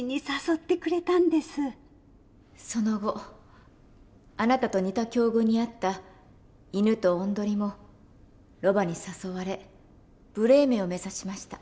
その後あなたと似た境遇にあったイヌとオンドリもロバに誘われブレーメンを目指しました。